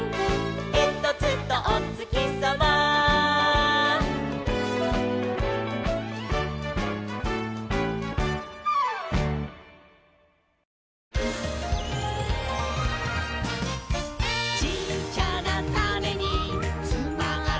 「えんとつとおつきさま」「ちっちゃなタネにつまってるんだ」